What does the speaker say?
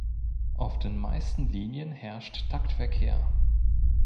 Auf den meisten Linien herrscht Taktverkehr.